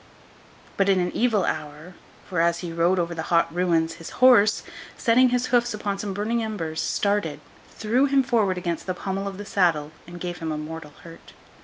But, in an evil hour; for, as he rode over the hot ruins, his horse, setting his hoofs upon some burning embers, started, threw him forward against the pommel of the saddle, and gave him a mortal hurt.